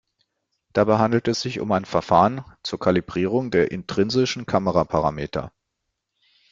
Dabei handelt es sich um ein Verfahren zur Kalibrierung der intrinsischen Kameraparameter.